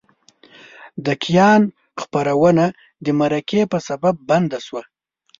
د کیان خپرونه د مرکې په سبب بنده شوه.